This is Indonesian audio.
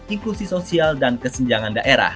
inklusi sosial dan kesenjangan daerah